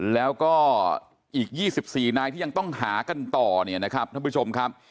แล้วก็อีก๒๔นายที่ยังต้องหากันต่อเนี่ยนะครับท่านผู้ชมครับ